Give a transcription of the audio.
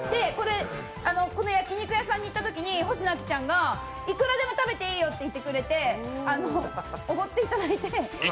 この焼き肉屋さんに行ったときにほしのあきちゃんがいくらでも食べていいよって言ってくれておごってくれて。